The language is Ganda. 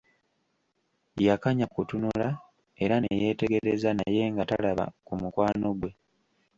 Yakanya kutunula era ne yeetegereza naye nga talaba ku mukwano gwe.